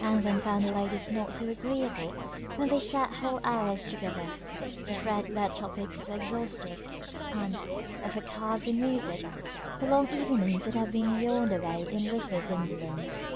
Ann then found the ladies not so agreeable; when they sat whole hours together, the thread bare topics were exhausted; and, but for cards or music, the long evenings would have been yawned away in listless indolence.